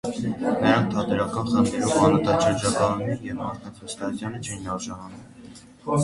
Նրանք թատերական խմբերով անընդհատ շրջագայում էին և մարդկանց վստահությանը չէին արժանանում։